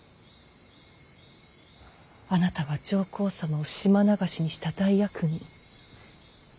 あなたは上皇様を島流しにした大悪人。